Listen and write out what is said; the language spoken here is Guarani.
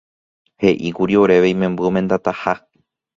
He'íkuri oréve imemby omendataha.